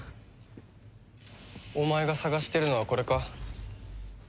お前が捜してるのはこれか？